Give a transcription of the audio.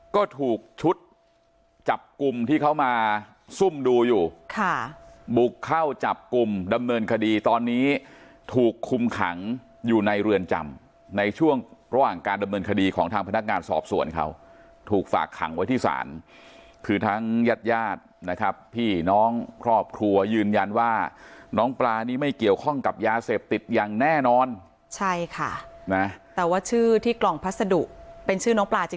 ก็ถูกชุดจับกลุ่มที่เขามาซุ่มดูอยู่ค่ะบุกเข้าจับกลุ่มดำเนินคดีตอนนี้ถูกคุมขังอยู่ในเรือนจำในช่วงระหว่างการดำเนินคดีของทางพนักงานสอบสวนเขาถูกฝากขังไว้ที่ศาลคือทั้งญาติญาตินะครับพี่น้องครอบครัวยืนยันว่าน้องปลานี่ไม่เกี่ยวข้องกับยาเสพติดอย่างแน่นอนใช่ค่ะนะแต่ว่าชื่อที่กล่องพัสดุเป็นชื่อน้องปลาจริง